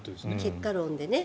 結果論でね。